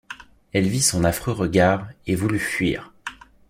Elle vit son affreux regard, et voulut fuir.